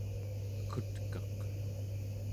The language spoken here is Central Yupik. ekutkaq